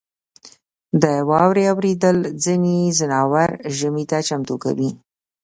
• د واورې اورېدل ځینې ځناور ژمي ته چمتو کوي.